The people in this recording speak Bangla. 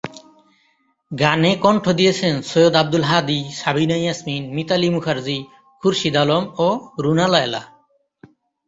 গানে কণ্ঠ দিয়েছেন সৈয়দ আব্দুল হাদী, সাবিনা ইয়াসমিন, মিতালী মুখার্জি, খুরশিদ আলম, ও রুনা লায়লা।